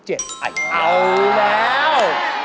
เอาแล้ว